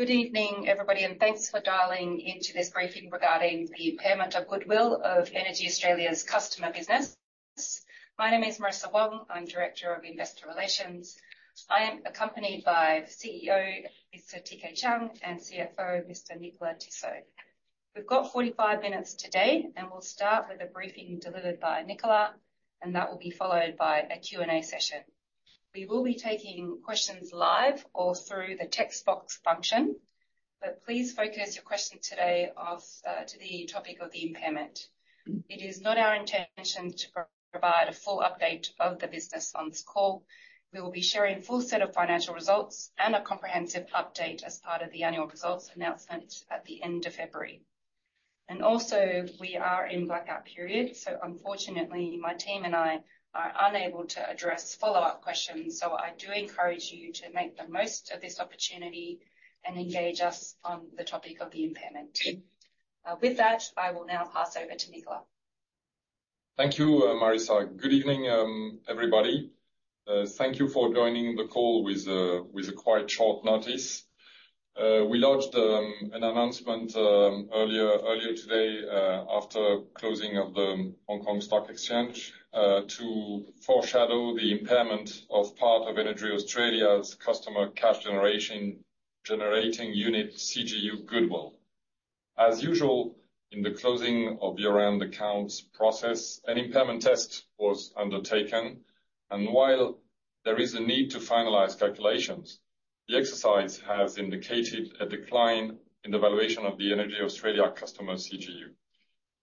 Good evening, everybody, and thanks for dialing into this briefing regarding the impairment of goodwill of EnergyAustralia's customer business. My name is Marissa Wong, I'm Director of Investor Relations. I am accompanied by CEO, Mr. TK Chiang, and CFO, Mr. Nicolas Tissot. We've got 45 minutes today, and we'll start with a briefing delivered by Nicolas, and that will be followed by a Q&A session. We will be taking questions live or through the text box function, but please focus your question today off, to the topic of the impairment. It is not our intention to provide a full update of the business on this call. We will be sharing a full set of financial results and a comprehensive update as part of the annual results announcement at the end of February. Also, we are in blackout period, so unfortunately, my team and I are unable to address follow-up questions. So I do encourage you to make the most of this opportunity and engage us on the topic of the impairment. With that, I will now pass over to Nicolas. Thank you, Marissa. Good evening, everybody. Thank you for joining the call with a quite short notice. We launched an announcement earlier today after closing of the Hong Kong Stock Exchange to foreshadow the impairment of part of EnergyAustralia's customer cash generating unit CGU goodwill. As usual, in the closing of the year-end accounts process, an impairment test was undertaken, and while there is a need to finalize calculations, the exercise has indicated a decline in the valuation of the EnergyAustralia customer CGU.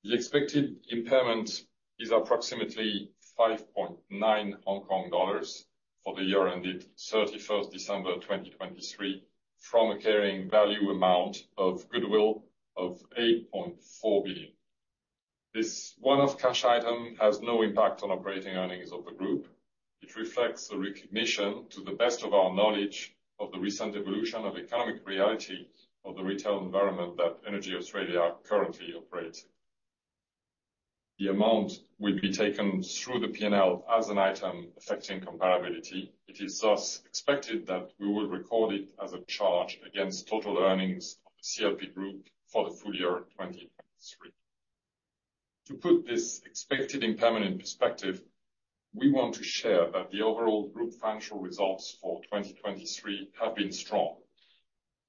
The expected impairment is approximately 5.9 billion Hong Kong dollars for the year ended 31 December 2023, from a carrying value amount of goodwill of 8.4 billion. This one-off cash item has no impact on operating earnings of the group. It reflects the recognition, to the best of our knowledge, of the recent evolution of economic reality of the retail environment that EnergyAustralia currently operates. The amount will be taken through the P&L as an item affecting comparability. It is thus expected that we will record it as a charge against total earnings of the CLP Group for the full year 2023. To put this expected impairment in perspective, we want to share that the overall group financial results for 2023 have been strong.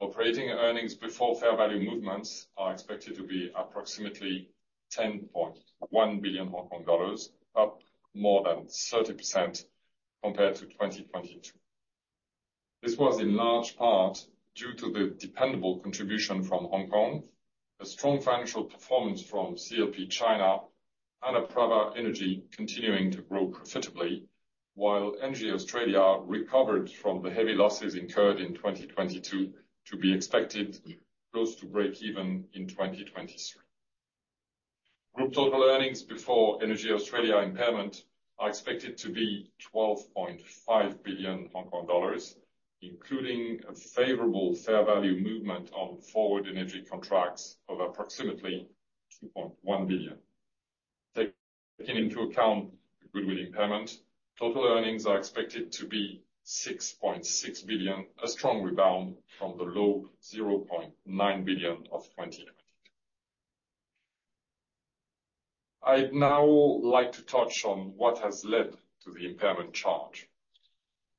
Operating earnings before fair value movements are expected to be approximately 10.1 billion Hong Kong dollars, up more than 30% compared to 2022. This was in large part due to the dependable contribution from Hong Kong, a strong financial performance from CLP China, and Apraava Energy continuing to grow profitably, while EnergyAustralia recovered from the heavy losses incurred in 2022 to be expected close to break even in 2023. Group total earnings before EnergyAustralia impairment are expected to be 12.5 billion Hong Kong dollars, including a favorable fair value movement on forward energy contracts of approximately 2.1 billion. Taking into account the goodwill impairment, total earnings are expected to be 6.6 billion, a strong rebound from the low 0.9 billion of 2022. I'd now like to touch on what has led to the impairment charge.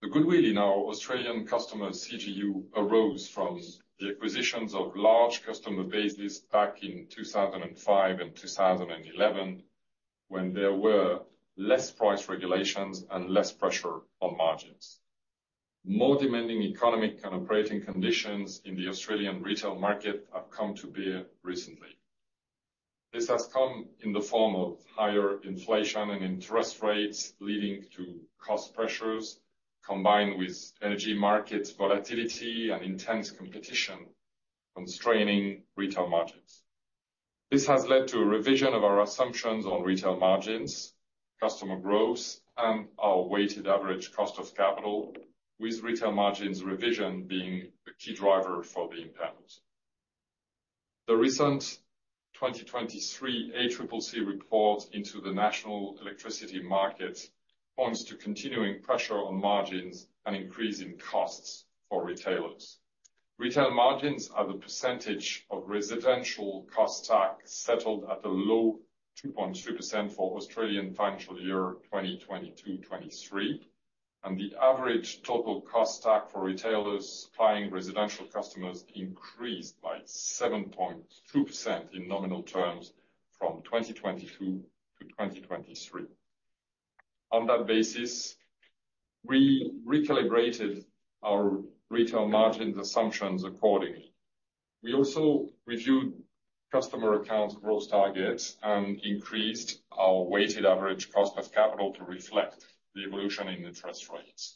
The goodwill in our Australian customer CGU arose from the acquisitions of large customer bases back in 2005 and 2011, when there were less price regulations and less pressure on margins. More demanding economic and operating conditions in the Australian retail market have come to bear recently. This has come in the form of higher inflation and interest rates, leading to cost pressures, combined with energy market volatility and intense competition, constraining retail margins. This has led to a revision of our assumptions on retail margins, customer growth, and our weighted average cost of capital, with retail margins revision being the key driver for the impairment. The recent 2023 ACCC report into the National Electricity Market points to continuing pressure on margins and increase in costs for retailers. Retail margins are the percentage of residential cost stack, settled at a low 2.2% for Australian financial year 2022-23, and the average total cost stack for retailers supplying residential customers increased by 7.2% in nominal terms from 2022-2023. On that basis, we recalibrated our retail margins assumptions accordingly. We also reviewed customer account growth targets and increased our weighted average cost of capital to reflect the evolution in interest rates.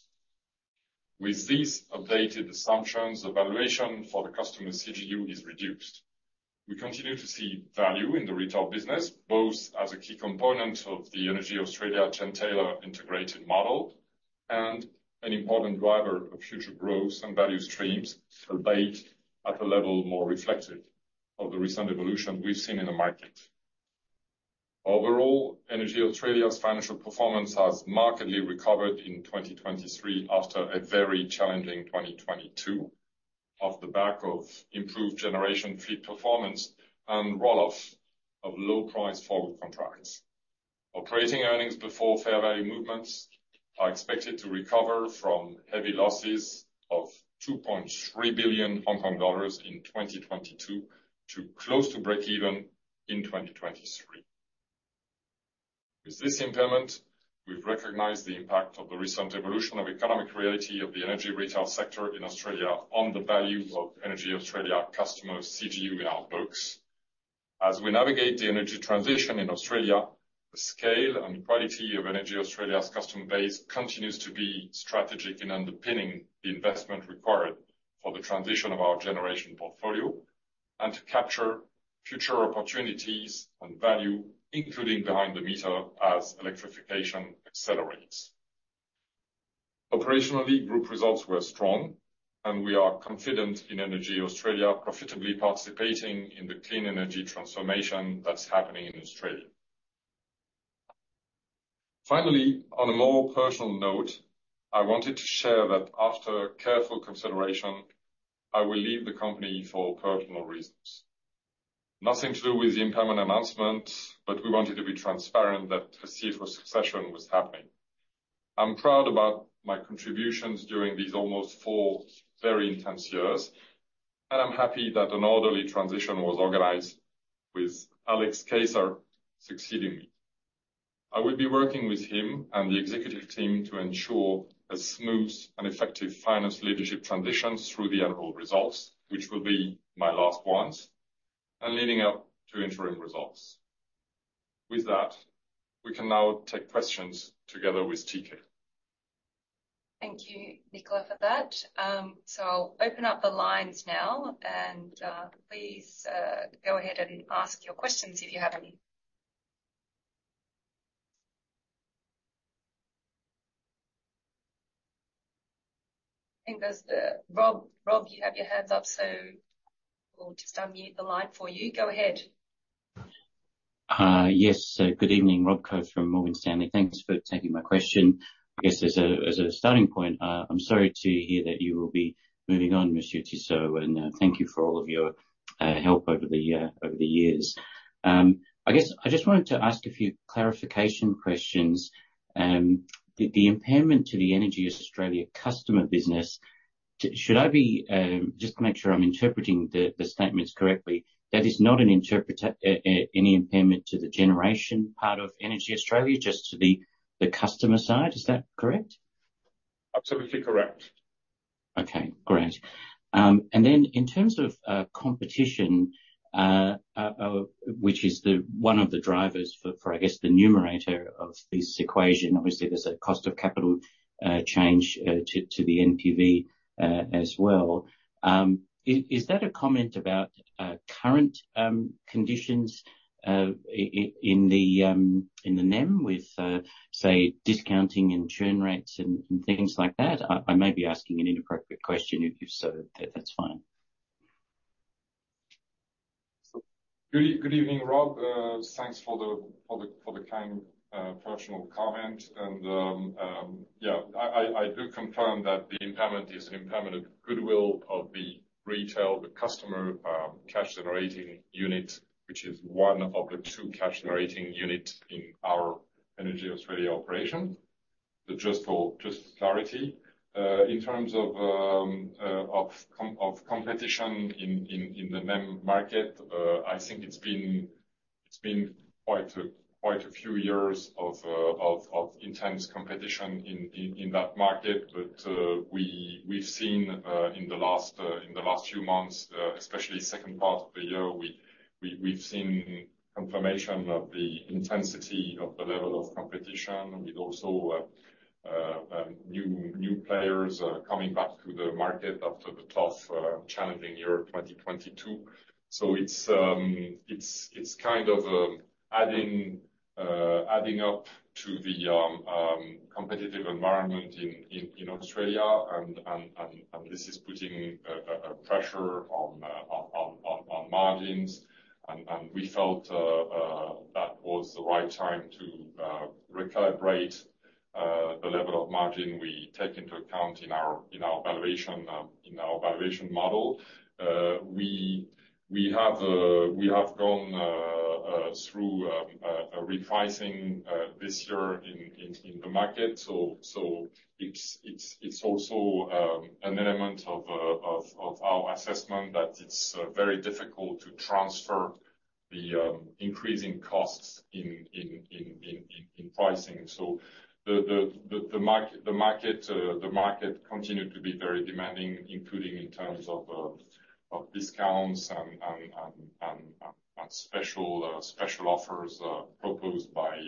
With these updated assumptions, the valuation for the customer CGU is reduced. We continue to see value in the retail business, both as a key component of the EnergyAustralia GenTailer integrated model and an important driver of future growth and value streams, albeit at a level more reflective of the recent evolution we've seen in the market.... Overall, EnergyAustralia's financial performance has markedly recovered in 2023 after a very challenging 2022, off the back of improved generation fleet performance and roll-off of low-price forward contracts. Operating earnings before fair value movements are expected to recover from heavy losses of 2.3 billion Hong Kong dollars in 2022 to close to breakeven in 2023. With this impairment, we've recognized the impact of the recent evolution of economic reality of the energy retail sector in Australia on the value of EnergyAustralia customer CGU in our books. As we navigate the energy transition in Australia, the scale and quality of EnergyAustralia's customer base continues to be strategic in underpinning the investment required for the transition of our generation portfolio, and to capture future opportunities and value, including behind the meter, as electrification accelerates. Operationally, group results were strong, and we are confident in EnergyAustralia profitably participating in the clean energy transformation that's happening in Australia. Finally, on a more personal note, I wanted to share that after careful consideration, I will leave the company for personal reasons. Nothing to do with the impairment announcement, but we wanted to be transparent that the CEO succession was happening. I'm proud about my contributions during these almost four very intense years, and I'm happy that an orderly transition was organized with Alexandre Keisser succeeding me. I will be working with him and the executive team to ensure a smooth and effective finance leadership transition through the annual results, which will be my last ones, and leading up to ensuring results. With that, we can now take questions together with TK. Thank you, Nicolas, for that. So I'll open up the lines now and please go ahead and ask your questions if you have any. I think there's Rob. Rob, you have your hands up, so we'll just unmute the line for you. Go ahead. Yes. So good evening, Rob Koh from Morgan Stanley. Thanks for taking my question. I guess, as a starting point, I'm sorry to hear that you will be moving on, Monsieur Tissot, and thank you for all of your help over the years. I guess I just wanted to ask a few clarification questions. The impairment to the EnergyAustralia customer business—should I be... Just to make sure I'm interpreting the statements correctly, that is not any impairment to the generation part of EnergyAustralia, just to the customer side. Is that correct? Absolutely correct. Okay, great. And then in terms of competition, which is one of the drivers for the numerator of this equation, obviously, there's a cost of capital change to the NPV as well. Is that a comment about current conditions in the NEM with, say, discounting and churn rates and things like that? I may be asking an inappropriate question. If so, that's fine. Good evening, Rob. Thanks for the kind personal comment. And yeah, I do confirm that the impairment is an impairment of goodwill of the retail, the customer cash generating unit, which is one of the two cash generating units in our EnergyAustralia operation. So just for clarity, in terms of competition in the NEM market, I think it's been quite a few years of intense competition in that market. But, we've seen in the last few months, especially second part of the year, we've seen confirmation of the intensity of the level of competition, with also new players coming back to the market after the tough challenging year, 2022. So it's kind of adding up to the competitive environment in Australia, and this is putting a pressure on margins. And we felt that was the right time to recalibrate the level of margin we take into account in our valuation model. We have gone through a repricing this year in the market. So it's also an element of our assessment that it's very difficult to transfer the increasing costs in pricing. So the market continued to be very demanding, including in terms of discounts and special offers proposed by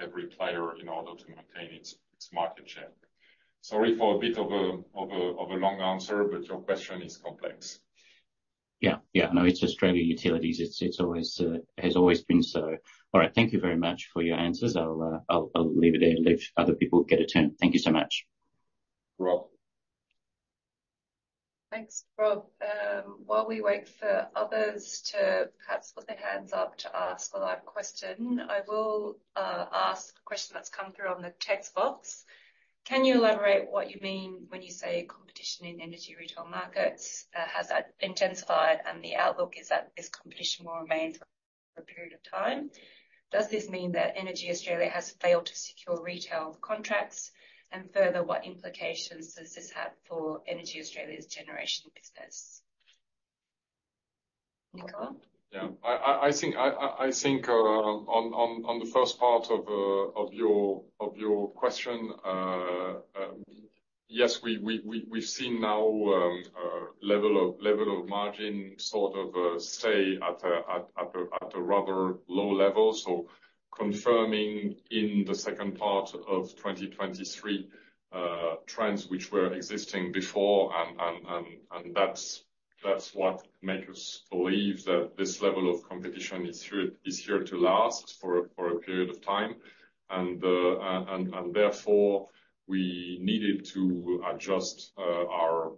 every player in order to maintain its market share. Sorry for a bit of a long answer, but your question is complex. Yeah. Yeah. No, it's Australian Utilities. It's, it's always has always been so. All right. Thank you very much for your answers. I'll, I'll, I'll leave it there and let other people get a turn. Thank you so much. Rob.... Rob, while we wait for others to perhaps put their hands up to ask a live question, I will ask a question that's come through on the text box. Can you elaborate what you mean when you say competition in energy retail markets has intensified, and the outlook is that this competition will remain for a period of time? Does this mean that EnergyAustralia has failed to secure retail contracts? And further, what implications does this have for EnergyAustralia's generation business? Nicolas? Yeah. I think on the first part of your question, yes, we've seen now a level of margin sort of stay at a rather low level. So confirming in the second part of 2023, trends which were existing before, and that's what make us believe that this level of competition is here to last for a period of time. And therefore, we needed to adjust our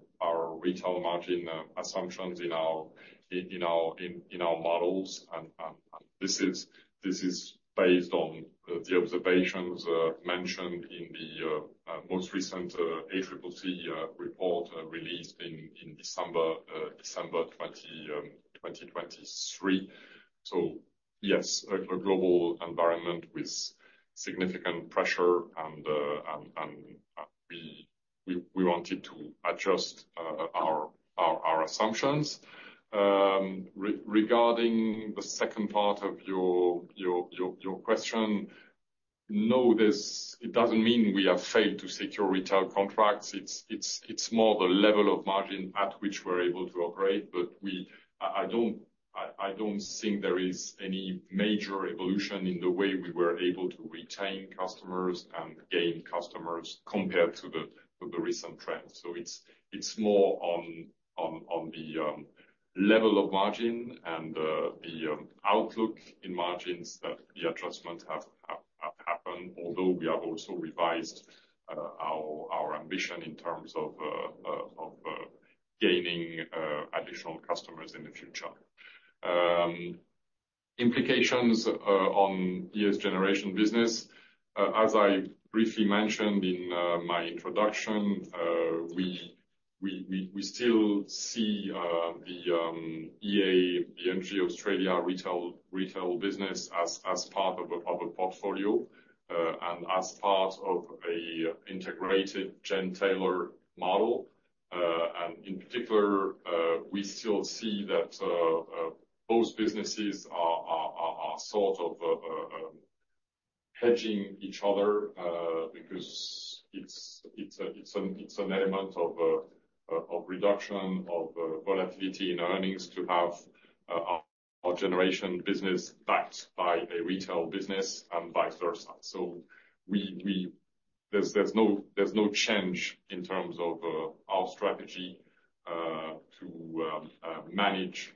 retail margin assumptions in our models. This is based on the observations mentioned in the most recent ACCC report released in December 2023. So yes, a global environment with significant pressure and we wanted to adjust our assumptions. Regarding the second part of your question, no, this it doesn't mean we have failed to secure retail contracts. It's more the level of margin at which we're able to operate. But I don't think there is any major evolution in the way we were able to retain customers and gain customers compared to the recent trends. So it's more on the level of margin and the outlook in margins that the adjustments have happened, although we have also revised our ambition in terms of gaining additional customers in the future. Implications on EA's generation business, as I briefly mentioned in my introduction, we still see the EA, the EnergyAustralia retail business as part of a portfolio and as part of an integrated GenTailer model. And in particular, we still see that both businesses are sort of hedging each other because it's an element of reduction of volatility in earnings to have our generation business backed by a retail business and vice versa. There's no change in terms of our strategy to manage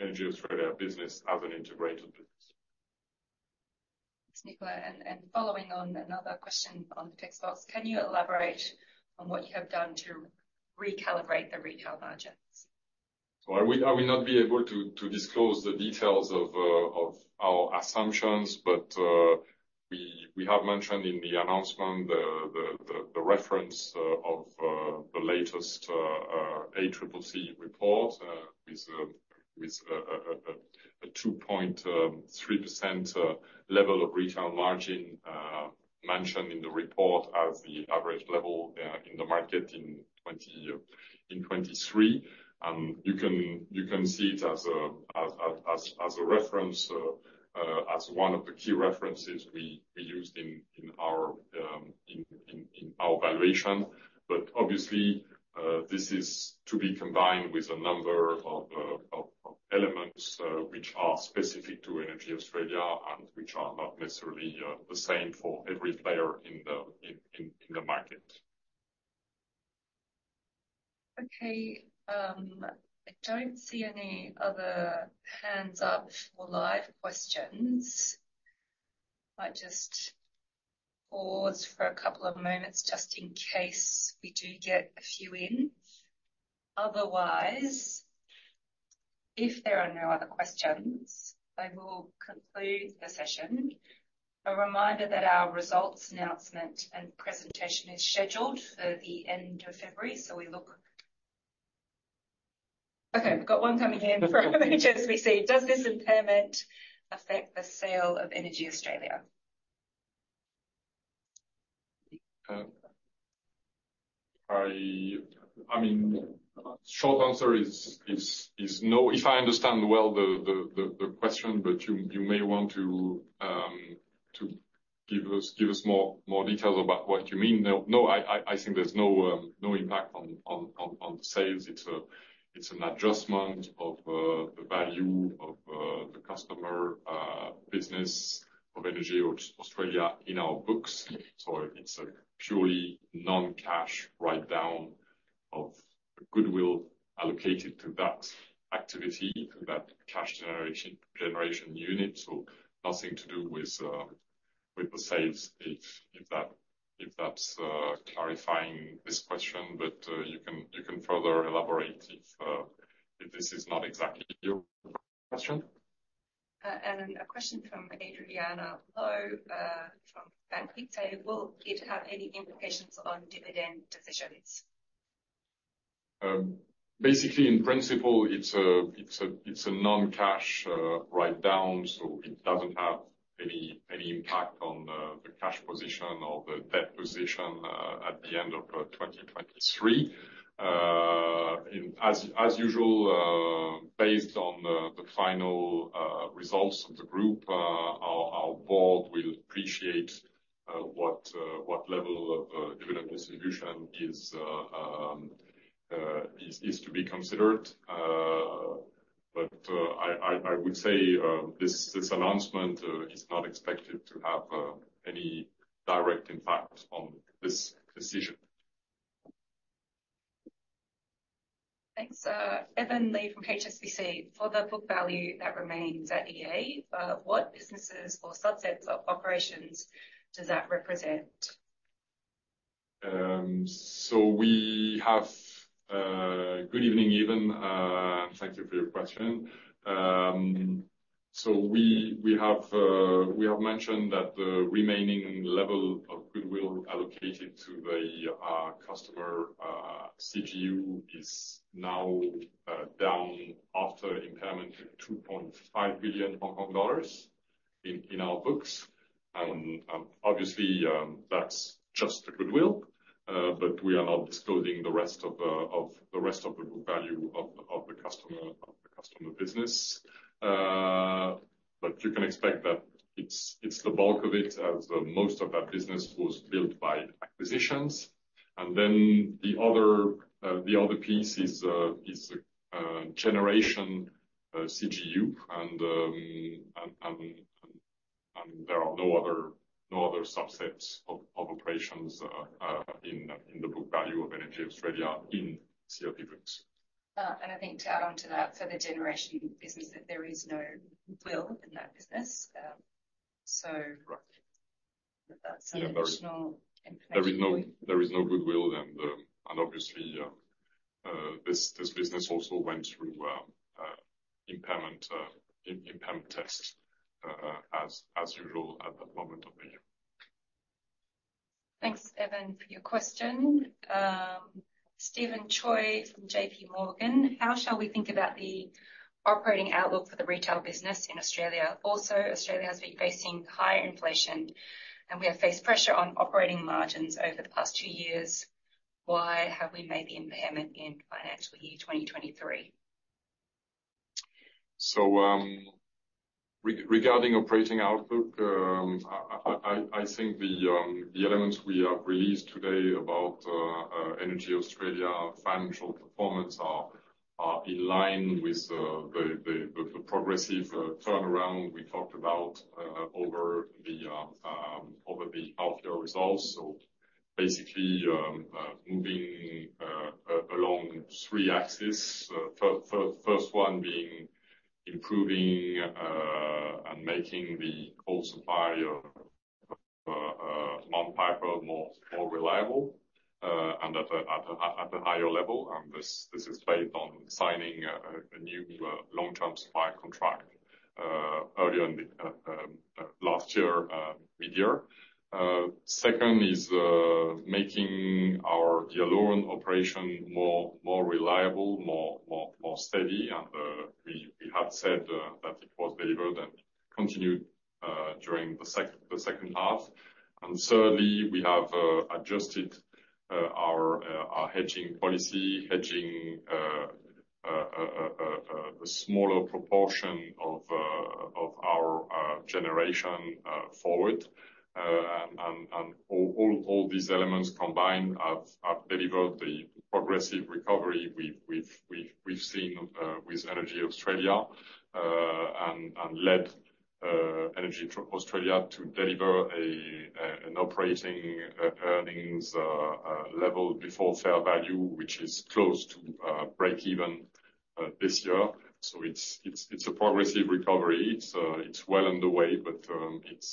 EnergyAustralia business as an integrated business. Thanks, Nicolas. And, following on another question on the text box, can you elaborate on what you have done to recalibrate the retail margins? Well, I will not be able to disclose the details of our assumptions, but we have mentioned in the announcement the reference of the latest ACCC report with a 2.3% level of retail margin mentioned in the report as the average level in the market in 2023. And you can see it as a reference as one of the key references we used in our valuation. But obviously, this is to be combined with a number of elements, which are specific to EnergyAustralia and which are not necessarily the same for every player in the market. Okay. I don't see any other hands up for live questions. I might just pause for a couple of moments just in case we do get a few in. Otherwise, if there are no other questions, I will conclude the session. A reminder that our results, announcement, and presentation is scheduled for the end of February, so we look... Okay, we've got one coming in from HSBC: Does this impairment affect the sale of EnergyAustralia? I mean, short answer is no. If I understand well the question, but you may want to give us more details about what you mean. No, I think there's no impact on the sales. It's an adjustment of the value of the customer business of EnergyAustralia in our books, so it's a purely non-cash write-down of goodwill allocated to that activity, to that cash generating unit. So nothing to do with the sales, if that's clarifying this question, but you can further elaborate if this is not exactly your question. A question from Adriana Lowe, from Bank of America: Did it have any implications on dividend decisions? Basically, in principle, it's a non-cash write-down, so it doesn't have any impact on the cash position or the debt position at the end of 2023. As usual, based on the final results of the group, our board will appreciate what level of dividend distribution is to be considered. But I would say this announcement is not expected to have any direct impact on this decision. Thanks. Evan Li from HSBC. For the book value that remains at EA, what businesses or subsets of operations does that represent? Good evening, Evan. Thank you for your question. So we have mentioned that the remaining level of goodwill allocated to the customer CGU is now down after impairment 2.5 billion Hong Kong dollars in our books. And obviously, that's just the goodwill, but we are not disclosing the rest of the book value of the customer business. But you can expect that it's the bulk of it, as most of that business was built by acquisitions. And then the other piece is generation CGU, and there are no other subsets of operations in the book value of EnergyAustralia in CLP books. And I think to add on to that, for the generation business, that there is no goodwill in that business. So- Right. That's additional information. There is no, there is no goodwill, and obviously this business also went through impairment test, as usual at that moment of the year. Thanks, Evan, for your question. Stephen Choi from JPMorgan: How shall we think about the operating outlook for the retail business in Australia? Also, Australia has been facing higher inflation, and we have faced pressure on operating margins over the past two years. Why have we made the impairment in financial year 2023? So, regarding operating outlook, I think the elements we have released today about EnergyAustralia financial performance are in line with the progressive turnaround we talked about over the half year results. So basically, moving along three axes. First one being improving and making the whole supply of Mount Piper more reliable and at a higher level, and this is based on signing a new long-term supply contract earlier in the last year, mid-year. Second is making our Yallourn operation more reliable, more steady, and we had said that it was delivered and continued during the second half. And thirdly, we have adjusted our hedging policy, hedging a smaller proportion of our generation forward. And all these elements combined have delivered the progressive recovery we've seen with EnergyAustralia, and led EnergyAustralia to deliver an operating earnings level before fair value, which is close to breakeven this year. So it's a progressive recovery. It's well underway, but it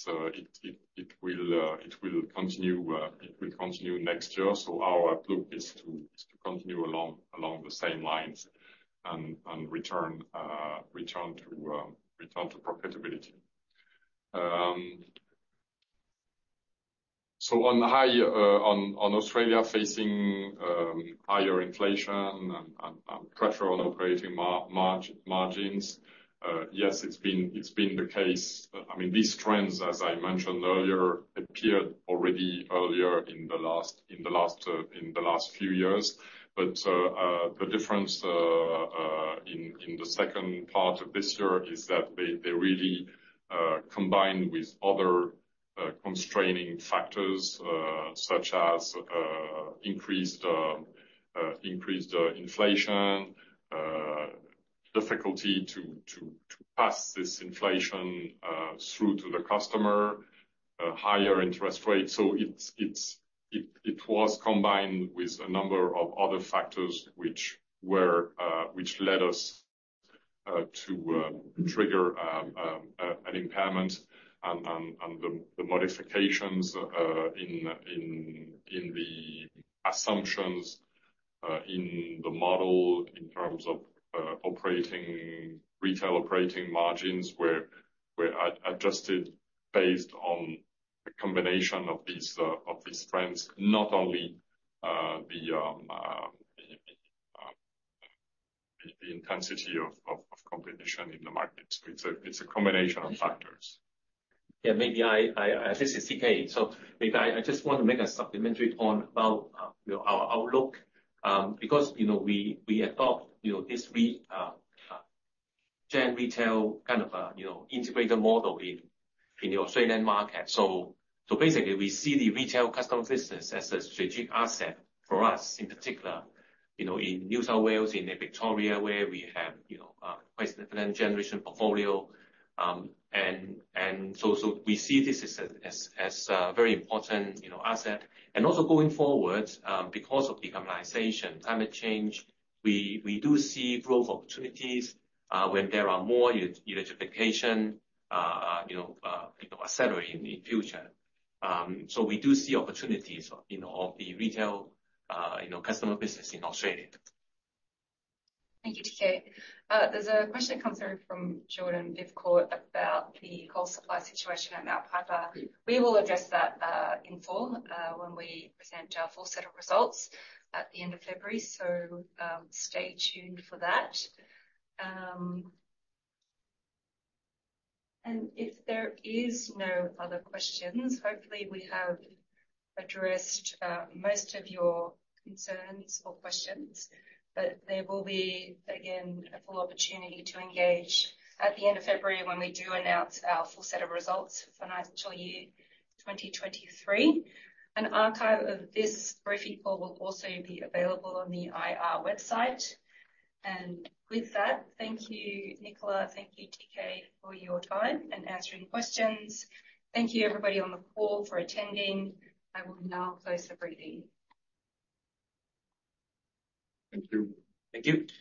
will continue next year. So our outlook is to continue along the same lines and return to profitability. So in Australia facing higher inflation and pressure on operating margins, yes, it's been the case. I mean, these trends, as I mentioned earlier, appeared already earlier in the last few years. But the difference in the second part of this year is that they really combined with other constraining factors, such as increased inflation, difficulty to pass this inflation through to the customer, higher interest rates. So it was combined with a number of other factors which led us-... To trigger an impairment and the modifications in the assumptions in the model in terms of operating retail operating margins were adjusted based on the combination of these trends, not only the intensity of competition in the market. So it's a combination of factors. Yeah, maybe I... This is TK. So maybe I just want to make a supplementary point about, you know, our outlook. Because, you know, we, we adopt, you know, this GenTailer, kind of, you know, integrated model in the Australian market. So basically, we see the retail customer business as a strategic asset for us, in particular, you know, in New South Wales, in Victoria, where we have, you know, quite a different generation portfolio. And so we see this as a very important, you know, asset. And also going forward, because of decarbonization, climate change, we do see growth opportunities, where there are more electrification accelerating in the future. So we do see opportunities in all the retail, you know, customer business in Australia. Thank you, TK. There's a question that comes through from Jordan Livco about the coal supply situation at Mount Piper. We will address that in full when we present our full set of results at the end of February. So, stay tuned for that. And if there is no other questions, hopefully, we have addressed most of your concerns or questions, but there will be, again, a full opportunity to engage at the end of February when we do announce our full set of results for financial year 2023. An archive of this briefing call will also be available on the IR website. And with that, thank you, Nicolas, thank you, TK, for your time and answering questions. Thank you everybody on the call for attending. I will now close the briefing. Thank you. Thank you.